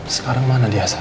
sekarang mana dia sah